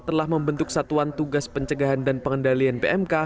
telah membentuk satuan tugas pencegahan dan pengendalian pmk